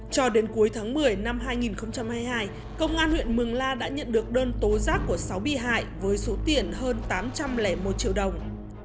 cho đến cuối tháng một mươi năm hai nghìn hai mươi hai công an huyện mường la đã nhận được đơn tố giác của sáu bị hại với số tiền hơn tám trăm linh một triệu đồng